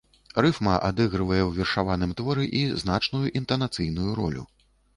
Рыфма адыгрывае ў вершаваным творы і значную інтанацыйную ролю.